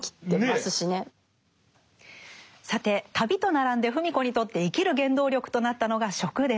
さて旅と並んで芙美子にとって生きる原動力となったのが食です。